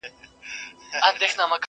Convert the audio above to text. نڅول چي یې سورونو د کیږدیو سهارونه!